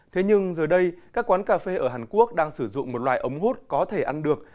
thế nhưng giờ đây các quán cà phê ở hàn quốc đang sử dụng một loại ống hút có thể ăn được